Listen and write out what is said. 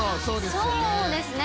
そうですね。